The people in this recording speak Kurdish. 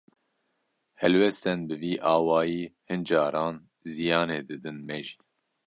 Helwestên bi vî awayî, hin caran ziyanê didin me jî.